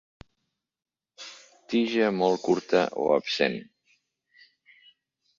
Tija molt curta o absent.